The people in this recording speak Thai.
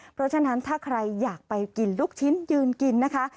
เพราะฉะนั้นถ้าใครอยากไปกินลูกชิ้นยืนกินนะคะ